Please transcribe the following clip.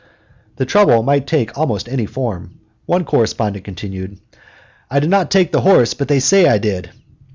The trouble might take almost any form. One correspondent continued: "I did not take the horse, but they say I did."